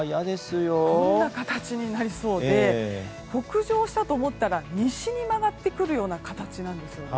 こんな形になりそうで北上したと思ったら西に曲がってくるような形なんです。